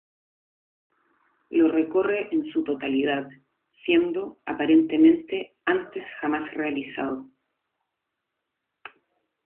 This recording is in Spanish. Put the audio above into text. Lo recorre en su totalidad, siendo, aparentemente antes jamás realizado.